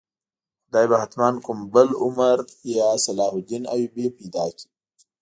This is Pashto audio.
خدای به حتماً کوم بل عمر یا صلاح الدین ایوبي پیدا کړي.